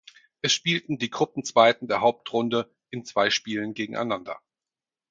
Es spielten die Gruppenzweiten der Hauptrunde in zwei Spielen gegeneinander.